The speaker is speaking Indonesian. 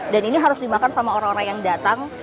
dan ini harus dimakan sama orang orang yang datang